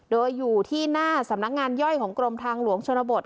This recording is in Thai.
โดยอยู่ที่หน้าสำนักงานย่อยของกรมทางหลวงชนบท